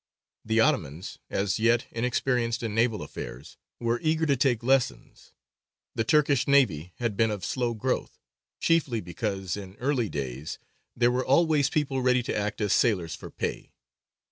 The Ottomans, as yet inexperienced in naval affairs, were eager to take lessons. The Turkish navy had been of slow growth, chiefly because in early days there were always people ready to act as sailors for pay.